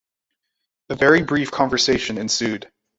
A very brief conversation ensued.